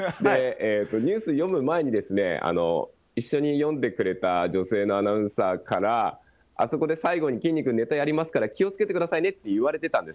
ニュース読む前に、一緒に読んでくれた女性のアナウンサーから、あそこで最後にきんに君、ネタやりますから気をつけてくださいねって言われてたんです。